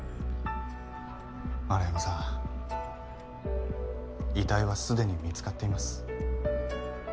円山さん遺体はすでに見つかっています。